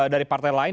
dari partai lain